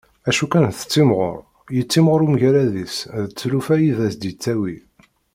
Acu kan tettimɣur, yettimɣur umgarad-is d tlufa i d as-d-yettawi.